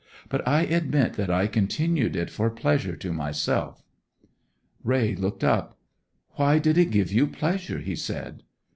But I admit that I continued it for pleasure to myself.' Raye looked up. 'Why did it give you pleasure?' he asked.